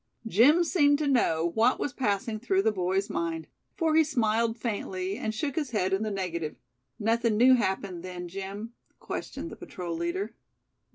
Jim seemed to know what was passing through the boy's mind; for he smiled faintly, and shook his head in the negative. "Nothing new happened, then, Jim?" questioned the patrol leader.